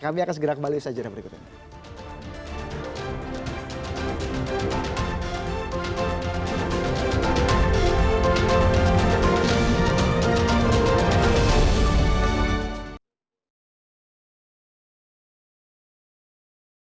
kami akan segera kembali ke segmen berikutnya